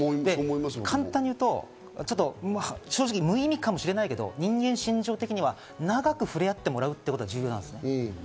簡単に言うと、正直、無意味かもしれないけど、人間の心情的には長く触れ合ってもらうということが重要。